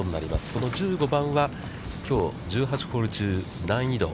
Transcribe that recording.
この１５番は、きょう、１８ホール中、難易度